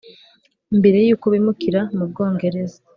mbere y’uko bimukira mu bwongereza